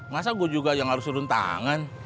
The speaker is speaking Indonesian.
masa gue juga yang harus turun tangan